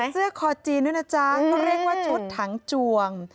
เสื้อคอจีนด้วยนะจ๊ะเรียกว่าชุดถังจวง